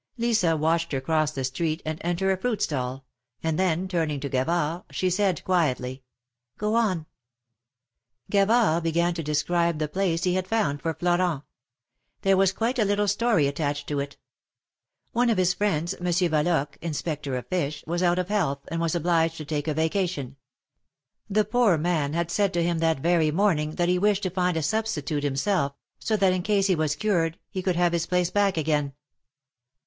Lisa watched her cross the street, and enter a fruit stall ; and then turning to Gavard, she said, quietly: ^^Go on." Gavard began to describe the place he had found for Florent. There was quite a little story attached to it. One of his friends. Monsieur Valoque, Inspector of Fish, was out of health, and was obliged to take a vacation. The poor man had said to him that very morning that he wished to find a substitute himself, so that in case he was cured, he could have his place back again.